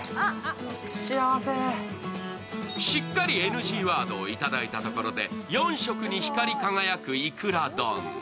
しっかりＮＧワードをいただいたところで、４色に光り輝くいくら丼。